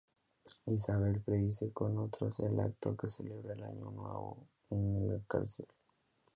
Isabel preside con otros el acto que celebra el año nuevo en la cárcel.